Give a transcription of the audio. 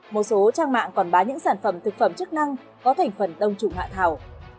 một số trang mạng còn bán những sản phẩm thực phẩm chức năng có thành phần đông trùng hạ thảo